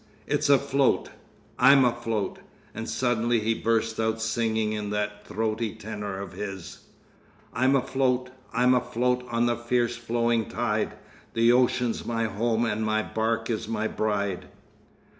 "It's afloat. I'm afloat!" And suddenly he burst out singing in that throaty tenor of his— "I'm afloat, I'm afloat on the fierce flowing tide, The ocean's my home and my bark is my bride!